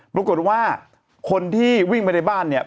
ปรากฏว่าคนที่วิ่งไปในบ้านเนี่ย